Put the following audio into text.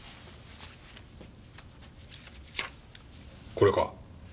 これか？